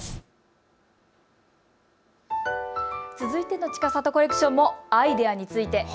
続いてのちかさとコレクションもアイデアについて。